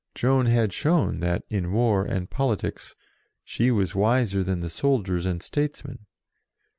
Joan had shown that, in war and politics, she was wiser than the soldiers and states men.